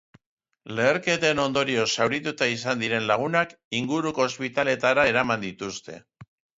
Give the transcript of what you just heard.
Leherketen ondorioz zaurituta izan diren lagunak inguruko ospitaletara eraman dituzte.